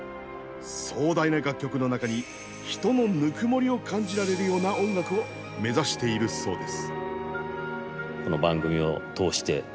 壮大な楽曲の中に人のぬくもりを感じられるような音楽を目指しているそうです。